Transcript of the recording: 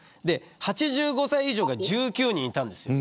８５歳以上が１９人いたんです。